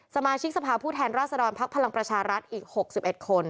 สมาชิกสภาพผู้แทนราษฎรภักดิ์พลังประชารัฐอีก๖๑คน